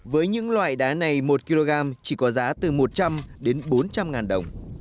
với những loại đá này một kg chỉ có giá từ một trăm linh đến bốn trăm linh ngàn đồng